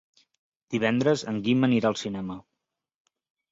Divendres en Guim anirà al cinema.